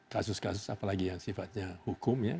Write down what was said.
kasus kasus apalagi yang sifatnya hukum ya